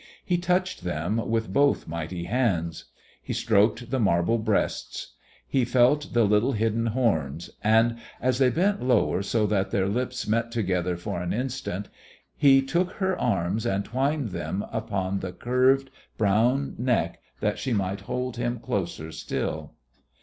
He touched them with both mighty hands. He stroked the marble breasts, He felt the little hidden horns ... and, as they bent lower so that their lips met together for an instant, He took her arms and twined them about the curved, brown neck that she might hold him closer still....